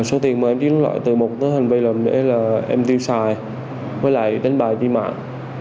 số tiền mà em chuyển lại từ một hình vị để là em tiêu sài với lại đánh bài trên mạng